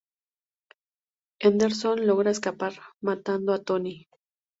Henderson logra escapar matando a Tony.